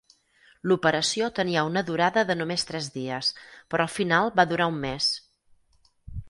L'operació tenia una durada de només tres dies, però al final va durar un mes.